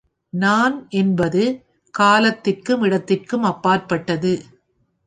நான் என்பது காலத்திற்கும் இடத்திற்கும் அப்பாற்பட்டது.